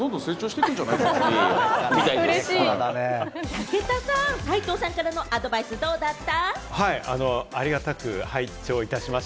武田さん、斉藤さんからのアドバイスどうだった？